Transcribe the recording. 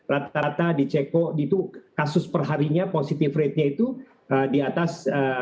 rata rata di ceko itu kasus perharinya positif ratenya itu di atas dua puluh